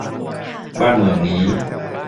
บ้านเมืองนี้